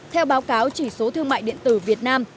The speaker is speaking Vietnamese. theo báo cáo chỉ số thương mại điện tử việt nam